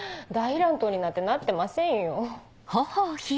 大乱闘になんてなってませんよ。